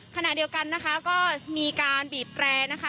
ขณะเดียวกันนะคะก็มีการบีบแตรนะคะ